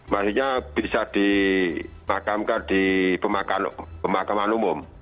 maksudnya bisa dimakamkan di pemakaman umum